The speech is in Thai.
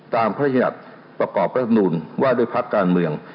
ตามพระญาติประกอบรัฐนุนไว้ด้วยพักการเมือง